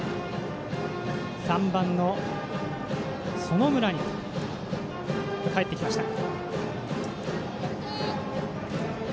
３番の園村にかえってきました。